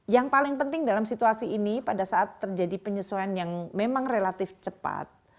yang paling penting dalam situasi ini pada saat terjadi penyesuaian yang memang relatif cepat